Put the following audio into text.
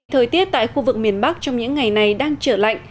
thời tiết tại khu vực miền bắc trong những ngày này đang trở lạnh